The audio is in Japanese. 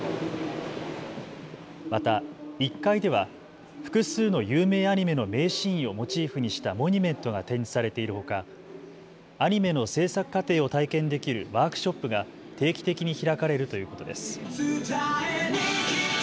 また１階では複数の有名アニメの名シーンをモチーフにしたモニュメントが展示されているほかアニメの制作過程を体験できるワークショップが定期的に開かれるということです。